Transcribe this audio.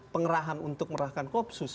pengerahan untuk mengerahkan kopsus